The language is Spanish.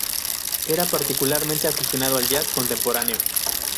Era particularmente aficionado al jazz contemporáneo.